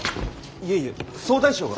いえいえ総大将が。